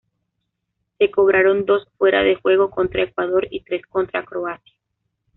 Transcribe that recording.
Se cobraron dos fuera de juego contra Ecuador y tres contra Croacia.